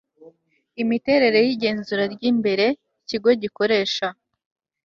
imiterere y igenzura ry imbere ikigo gikoresha